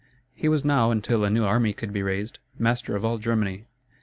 He was now, until a new army could be raised, master of all Germany.